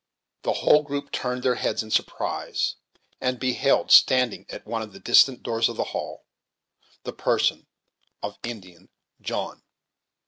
The whole group turned their heads in surprise, and beheld, standing at one of the distant doors of the hall, the person of Indian John.